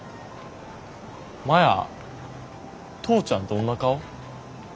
マヤ父ちゃんどんな顔？